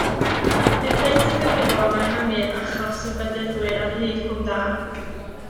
Bu Price yn gyfrifol am ehangu achos y Bedyddwyr ar hyd Cwm Dâr.